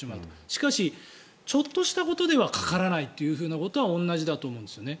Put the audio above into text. しかし、ちょっとしたことではかからないことは同じだと思うんですね。